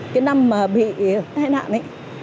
cái năm mà bị hại nạn ấy